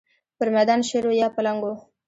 پر مېدان شېر و یا پلنګ و.